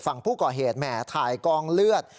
ฝั่งผู้ก่อเหตุแหมถ่ายกองเลือด